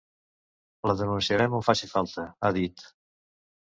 La denunciarem on faci falta, ha dit.